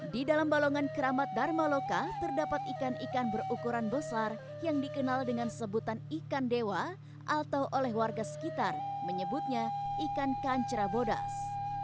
di dalam balongan keramat dharma loka terdapat ikan ikan berukuran besar yang dikenal dengan sebutan ikan dewa atau oleh warga sekitar menyebutnya ikan kancera bodas